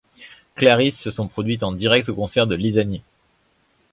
ClariS se sont produites en direct au concert du LisAni!